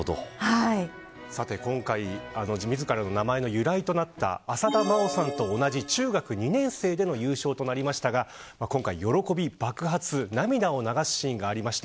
さて今回自らの名前の由来となった浅田真央さんと同じ中学２年生での優勝となりましたが今回、喜び爆発涙を流すシーンがありました。